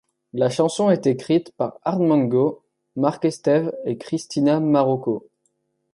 La chanson est écrite par Art Mengo, Marc Estève et Cristina Marocco.